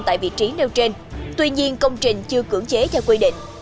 tại vị trí nêu trên tuy nhiên công trình chưa cưỡng chế theo quy định